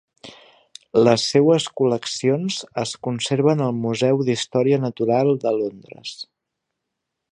Les seues col·leccions es conserven al Museu d'Història Natural de Londres.